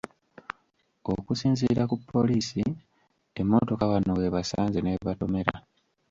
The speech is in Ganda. Okusinziira ku poliisi, emmotoka wano w’ebasanze n’ebatomera.